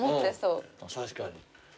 確かに。